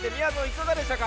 いかがでしたか？